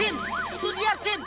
itu dia din